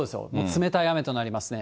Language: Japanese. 冷たい雨となりますね。